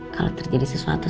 kalau terjadi sesuatu